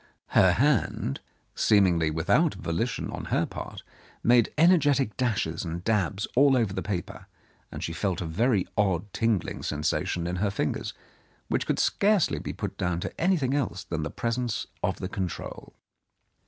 Her hand, seemingly without volition on her part, made energetic dashes and dabs all over the paper, and she felt a very odd tingling sensation in her fingers, which could scarcely be put down to anything else than the presence of the control.